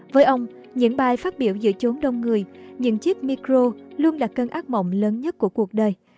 với ông những bài phát biểu giữa chốn đông người những chiếc micro luôn là cơn ác mộng lớn nhất của cuộc đời